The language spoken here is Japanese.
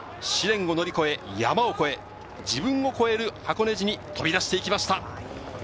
試練を乗り越え、山を越え、自分を越える箱根路に飛び出していきました。